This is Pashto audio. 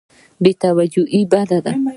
بې توجهي بد دی.